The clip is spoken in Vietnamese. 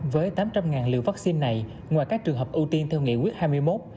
với tám trăm linh liều vaccine này ngoài các trường hợp ưu tiên theo nghị quyết hai mươi một